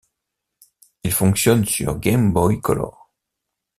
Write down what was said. Il fonctionne sur Game Boy Color.